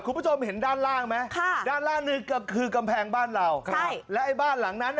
คุณผู้ชมเห็นด้านล่างไหมค่ะด้านล่างหนึ่งก็คือกำแพงบ้านเราใช่แล้วไอ้บ้านหลังนั้น